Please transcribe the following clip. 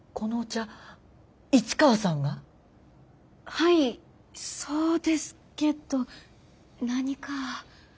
はいそうですけど何か？